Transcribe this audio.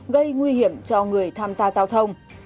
gây nguy hiểm cho người tham gia giao thông